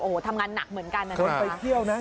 โอ้โหทำงานหนักเหมือนกันอะค่ะครับเคยไปเที่ยวน่ะ